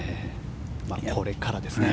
これからですね。